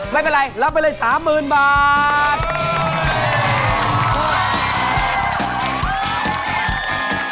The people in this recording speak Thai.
ไม่เป็นไรรับไปเลย๓๐๐๐บาท